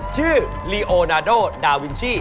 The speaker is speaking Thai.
ลีโอนาโดดาวินชี่